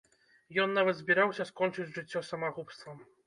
Ён нават збіраўся скончыць жыццё самагубствам.